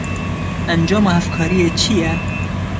Encama hevkariyê çi ye?